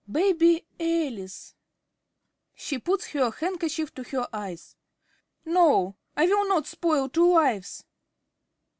Baby Alice! (She puts her handkerchief to her eyes.) No! I will not spoil two lives!